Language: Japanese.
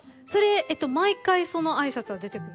毎回その挨拶は出てくるんですか？